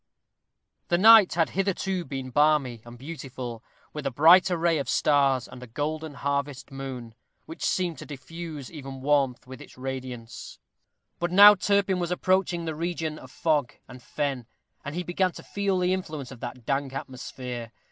_ The night had hitherto been balmy and beautiful, with a bright array of stars, and a golden harvest moon, which seemed to diffuse even warmth with its radiance; but now Turpin was approaching the region of fog and fen, and he began to feel the influence of that dank atmosphere.